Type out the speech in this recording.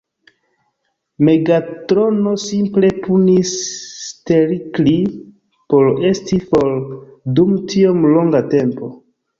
Megatrono simple punis Stelkri por esti for dum tiom longa tempo.